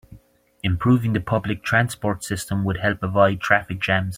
Improving the public transport system would help avoid traffic jams.